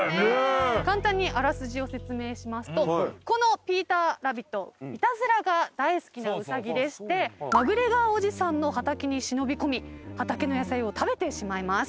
簡単にあらすじを説明しますとこのピーターラビットいたずらが大好きなウサギでしてマグレガーおじさんの畑に忍び込み畑の野菜を食べてしまいます。